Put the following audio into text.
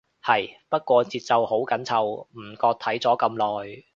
係，不過節奏好緊湊，唔覺睇咗咁耐